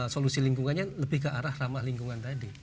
solusi lingkungannya lebih ke arah ramah lingkungan tadi